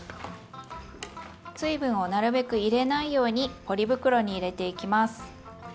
水分をなるべく入れないようにポリ袋に入れていきます。